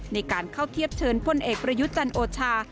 ในการเข้าเทียบเชิญพลเอกประยุทธ์จันโอชา